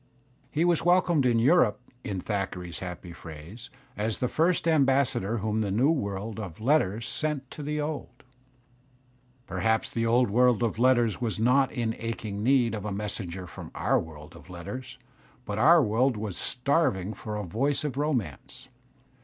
He was welcomed in Europe, in Thackeray's happy phrase, as the " first ambassador whom the New World of Letters sent to the Old." Perhaps the old world of letters was not in aching need of a messenger from our world of letters, but our world was starving for a voice of romance.